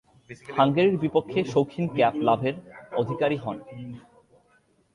হাঙ্গেরির বিপক্ষে শৌখিন ক্যাপ লাভের অধিকারী হন।